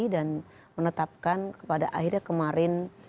dan menetapkan pada akhirnya kemarin